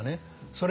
それ